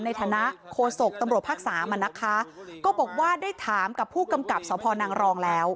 ในฐานะโคศกตำรวจภาคสามอ่ะนะคะก็บอกว่าได้ถามกับผู้กำกับสพนังรองแล้ว